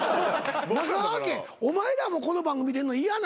中川家お前らもこの番組出んの嫌なの？